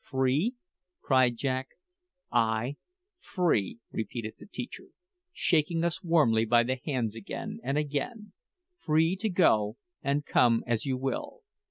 "Free?" cried Jack. "Ay, free!" repeated the teacher, shaking us warmly by the hands again and again "free to go and come as you will.